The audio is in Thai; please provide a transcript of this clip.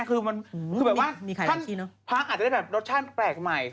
คือแบบว่าท่านพร้อมอาจจะได้แบบรสชาติแปลกใหม่